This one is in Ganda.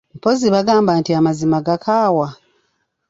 Mpozzi bagamba nti amazima gakaawa?